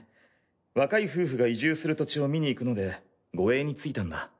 若い夫婦が移住する土地を見に行くので護衛についたんだ。